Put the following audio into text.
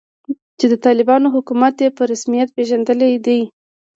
چې د طالبانو حکومت یې په رسمیت پیژندلی دی